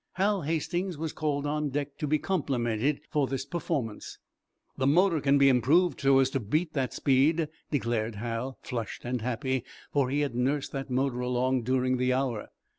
Hal Hastings was called on deck to be complimented for this performance. "The motor can be improved so as to beat that speed," declared Hal, flushed and happy, for he had nursed that motor along during the hour!